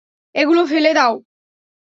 এগুলো ফেলে দাও।